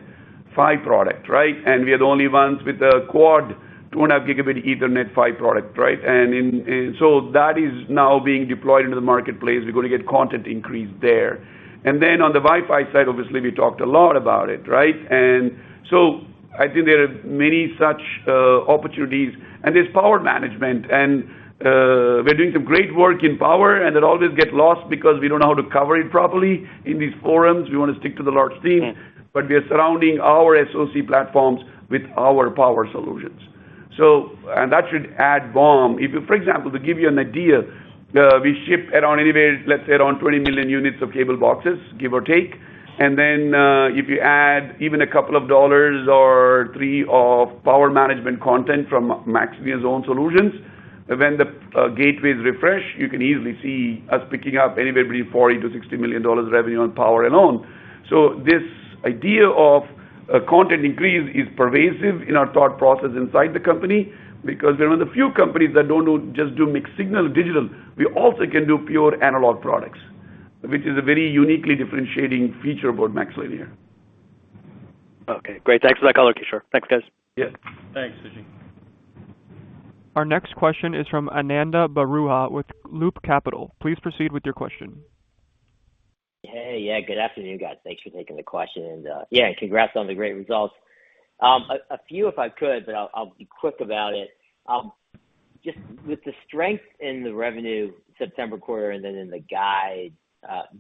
PHY product, right? We are the only ones with a quad 2.5 Gb Ethernet PHY product, right? That is now being deployed into the marketplace. We're going to get content increase there. Then on the Wi-Fi side, obviously, we talked a lot about it, right? I think there are many such opportunities. There's power management and we're doing some great work in power, and it always gets lost because we don't know how to cover it properly in these forums. We want to stick to the large themes. Yeah. We are surrounding our SoC platforms with our power solutions. That should add BOM. For example, to give you an idea, we ship around anywhere, let's say, around 20 million units of cable boxes, give or take. Then, if you add even a couple of dollars or three of power management content from MaxLinear's own solutions, when the gateways refresh, you can easily see us picking up anywhere between $40 million-$60 million revenue on power alone. This idea of a content increase is pervasive in our thought process inside the company because we're one of the few companies that don't just do mixed signal digital. We also can do pure analog products, which is a very uniquely differentiating feature about MaxLinear. Okay, great. Thanks for that color, Kishore. Thanks, guys. Yeah. Thanks, Suji. Our next question is from Ananda Baruah with Loop Capital. Please proceed with your question. Hey. Yeah, good afternoon, guys. Thanks for taking the question. Yeah, congrats on the great results. A few if I could, but I'll be quick about it. Just with the strength in the revenue September quarter and then in the guide,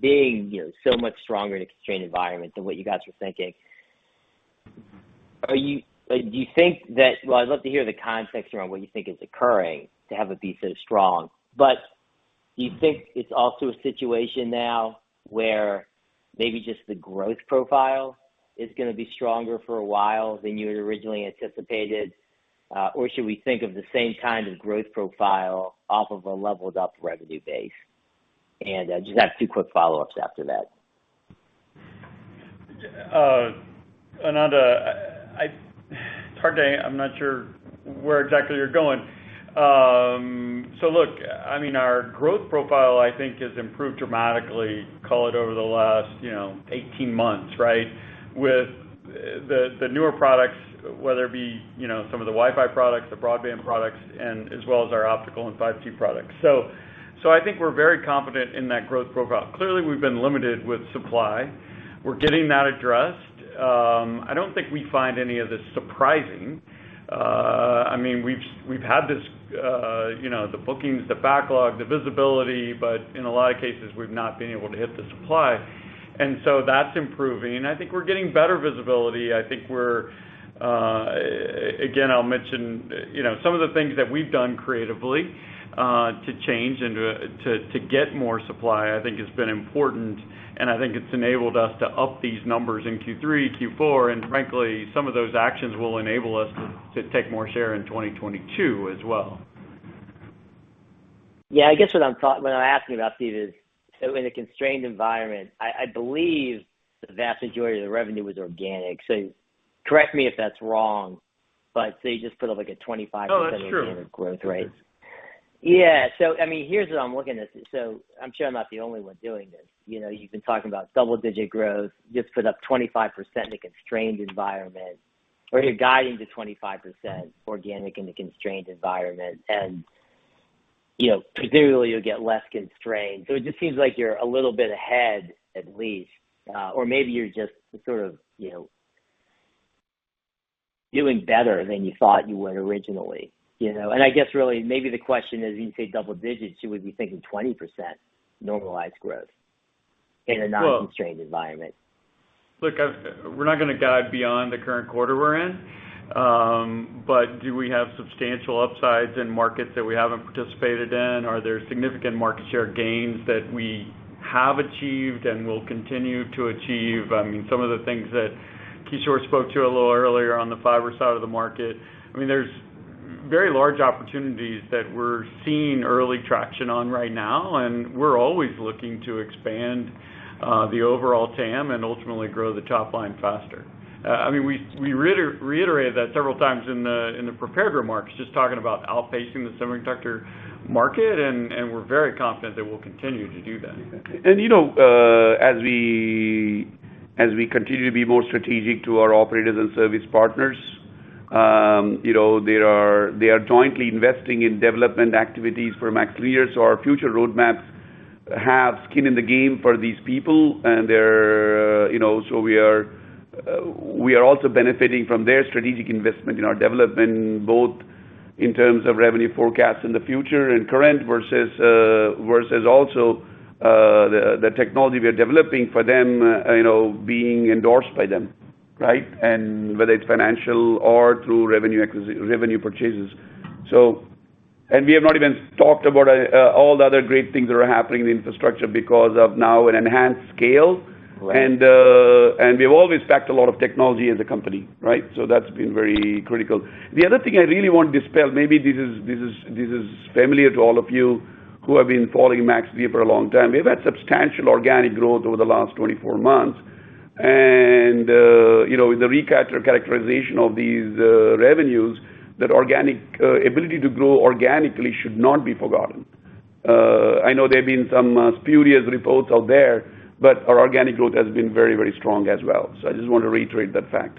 being, you know, so much stronger in a constrained environment than what you guys were thinking. Well, I'd love to hear the context around what you think is occurring to have it be so strong. Do you think it's also a situation now where maybe just the growth profile is gonna be stronger for a while than you had originally anticipated? Should we think of the same kind of growth profile off of a leveled-up revenue base? Just have two quick follow-ups after that. Ananda, I'm not sure where exactly you're going. Look, I mean, our growth profile, I think, has improved dramatically, call it over the last 18 months, right? With the newer products, whether it be, you know, some of the Wi-Fi products, the broadband products, and as well as our optical and 5G products. I think we're very confident in that growth profile. Clearly, we've been limited with supply. We're getting that addressed. I don't think we find any of this surprising. I mean, we've had this, you know, the bookings, the backlog, the visibility, but in a lot of cases, we've not been able to hit the supply. That's improving. I think we're getting better visibility. I think we're again, I'll mention, you know, some of the things that we've done creatively, to change and to get more supply. I think has been important, and I think it's enabled us to up these numbers in Q3, Q4, and frankly, some of those actions will enable us to take more share in 2022 as well. Yeah, I guess what I'm asking about, Steve, is in a constrained environment, I believe the vast majority of the revenue was organic. Correct me if that's wrong, but so you just put up, like, a 25%- No, that's true. Organic growth rate. Yeah. I mean, here's what I'm looking at. I'm sure I'm not the only one doing this. You know, you've been talking about double-digit growth, just put up 25% in a constrained environment, or you're guiding to 25% organic in a constrained environment. You know, presumably, you'll get less constrained. It just seems like you're a little bit ahead at least, or maybe you're just sort of, you know, doing better than you thought you would originally, you know. I guess really maybe the question is, when you say double digits, you would be thinking 20% normalized growth in a non-constrained environment? Look, we're not gonna guide beyond the current quarter we're in. But do we have substantial upsides in markets that we haven't participated in? Are there significant market share gains that we have achieved and will continue to achieve? I mean, some of the things that Kishore spoke to a little earlier on the fiber side of the market. I mean, there's very large opportunities that we're seeing early traction on right now, and we're always looking to expand the overall TAM and ultimately grow the top line faster. I mean, we reiterated that several times in the prepared remarks, just talking about outpacing the semiconductor market, and we're very confident that we'll continue to do that. You know, as we continue to be more strategic to our operators and service partners, you know, they are jointly investing in development activities for MaxLinear. Our future roadmaps have skin in the game for these people, and they're, you know, so we are also benefiting from their strategic investment in our development, both in terms of revenue forecasts in the future and current versus also the technology we are developing for them, you know, being endorsed by them, right? Whether it's financial or through revenue purchases. We have not even talked about all the other great things that are happening in infrastructure because of now an enhanced scale. Right. We've always packed a lot of technology in the company, right? That's been very critical. The other thing I really want to dispel, maybe this is familiar to all of you who have been following MaxLinear for a long time. We've had substantial organic growth over the last 24 months. You know, with the characterization of these revenues, that organic ability to grow organically should not be forgotten. I know there have been some spurious reports out there, but our organic growth has been very, very strong as well. I just want to reiterate that fact.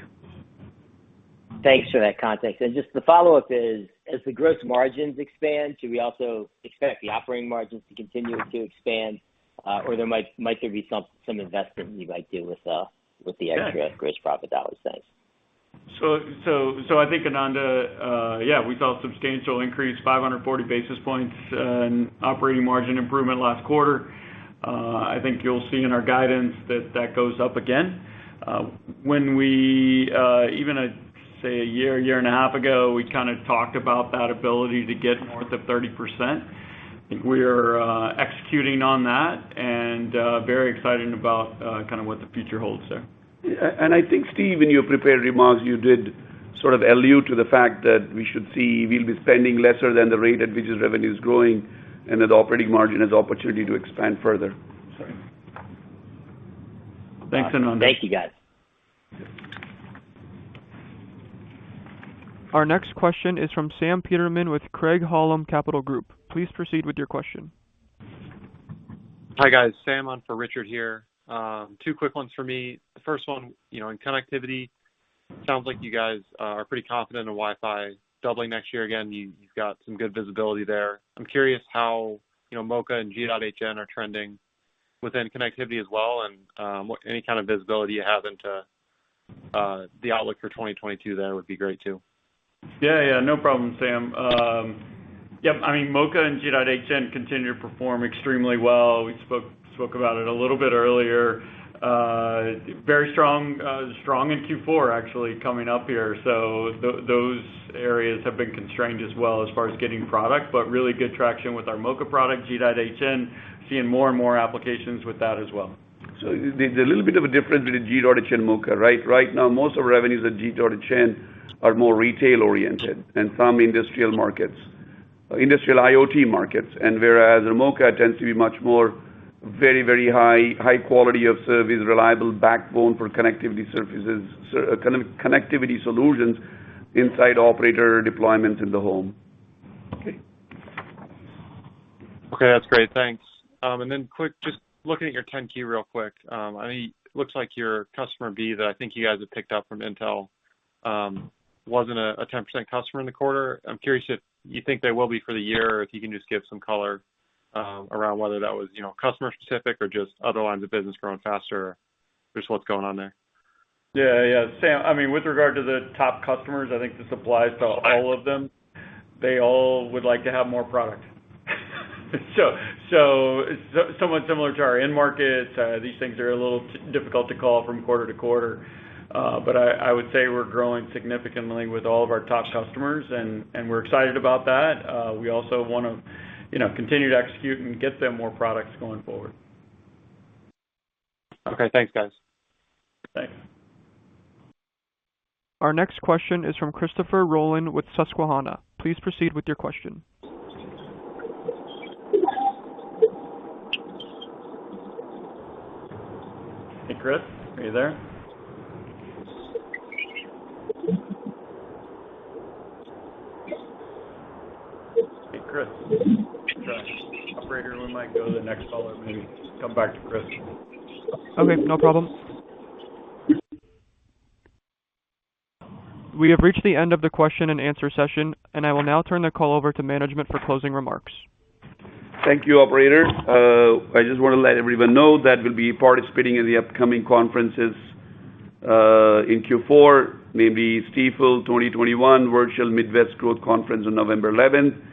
Thanks for that context. Just the follow-up is, as the gross margins expand, should we also expect the operating margins to continue to expand? Or might there be some investment you might do with the extra gross profit that you're saying? I think, Ananda, we saw substantial increase, 540 basis points in operating margin improvement last quarter. I think you'll see in our guidance that that goes up again. Even at, say, a year and a half ago, we kinda talked about that ability to get north of 30%. I think we're executing on that and very excited about kinda what the future holds there. I think, Steve, in your prepared remarks, you did sort of allude to the fact that we should see, we'll be spending less than the rate at which its revenue is growing, and that operating margin has opportunity to expand further. Sorry. Thanks, Ananda. Thank you, guys. Our next question is from Sam Peterman with Craig-Hallum Capital Group. Please proceed with your question. Hi, guys. Sam on for Richard here. Two quick ones for me. The first one, you know, in connectivity, sounds like you guys are pretty confident in Wi-Fi doubling next year. Again, you've got some good visibility there. I'm curious how, you know, MoCA and G.hn are trending within connectivity as well and any kind of visibility you have into the outlook for 2022 there would be great too. Yeah, no problem, Sam. Yep. I mean, MoCA and G.hn continue to perform extremely well. We spoke about it a little bit earlier. Very strong in Q4 actually coming up here. Those areas have been constrained as well as far as getting product, but really good traction with our MoCA product, G.hn, seeing more and more applications with that as well. There's a little bit of a difference between G.hn and MoCA, right? Right now, most of revenues at G.hn are more retail-oriented and some industrial markets, industrial IoT markets. Whereas MoCA tends to be much more very high quality of service, reliable backbone for connectivity services, connectivity solutions inside operator deployments in the home. Okay. Okay, that's great. Thanks. Quick, just looking at your 10-K real quick. I mean, looks like your Customer B that I think you guys have picked up from Intel wasn't a 10% customer in the quarter. I'm curious if you think they will be for the year, if you can just give some color around whether that was, you know, customer specific or just other lines of business growing faster. Just what's going on there. Yeah, yeah. Sam, I mean, with regard to the top customers, I think this applies to all of them. They all would like to have more product. Somewhat similar to our end markets, these things are a little difficult to call from quarter to quarter. But I would say we're growing significantly with all of our top customers and we're excited about that. We also wanna, you know, continue to execute and get them more products going forward. Okay. Thanks, guys. Thanks. Our next question is from Christopher Rolland with Susquehanna. Please proceed with your question. Hey, Chris. Are you there? Hey, Chris. Operator, we might go to the next caller and maybe come back to Chris. Okay, no problem. We have reached the end of the question and answer session, and I will now turn the call over to management for closing remarks. Thank you, operator. I just wanna let everyone know that we'll be participating in the upcoming conferences in Q4, maybe Stifel 2021 Virtual Midwest Growth Conference on November 11,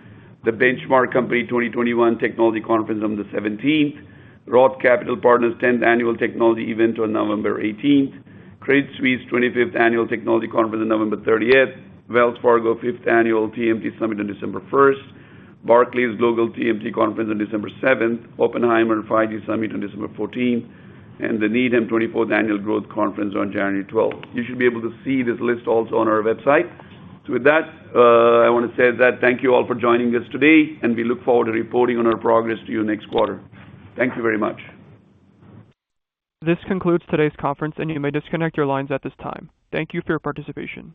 the Benchmark Company 2021 Technology Conference on the November 17, ROTH Capital Partners 10th Annual Technology Event on November 18, Credit Suisse 25th Annual Technology Conference on November 30, Wells Fargo 5th Annual TMT Summit on December 1, Barclays Global TMT Conference on December 7, Oppenheimer 5G Summit on December 14, and the Needham 24th Annual Growth Conference on January 12. You should be able to see this list also on our website. With that, I wanna say that thank you all for joining us today, and we look forward to reporting on our progress to you next quarter. Thank you very much. This concludes today's conference, and you may disconnect your lines at this time. Thank you for your participation.